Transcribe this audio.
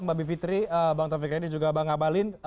mbak bivitri bang taufik edi juga bang abalin